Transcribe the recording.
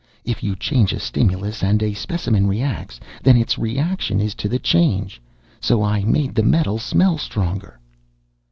"If you change a stimulus and a specimen reacts, then its reaction is to the change. So I made the metal smell stronger."